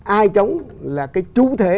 ai chống là cái chú thể